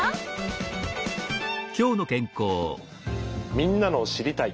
みんなの「知りたい！」